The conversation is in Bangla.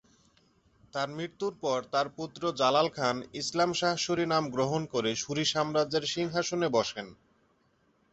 তার মৃত্যুর পর তার পুত্র জালাল খান ইসলাম শাহ সুরি নাম গ্রহণ করে সুরি সাম্রাজ্যের সিংহাসনে বসেন।